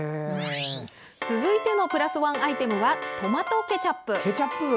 続いてのプラスワンアイテムはトマトケチャップ。